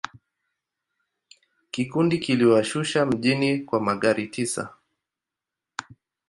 Kikundi kiliwashusha mjini kwa magari tisa.